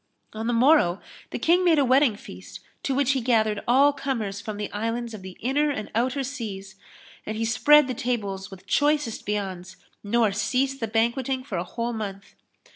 On the morrow, the King made a wedding feast to which he gathered all comers from the Islands of the Inner and Outer Seas, and he spread the tables with choicest viands nor ceased the banquetting for a whole month.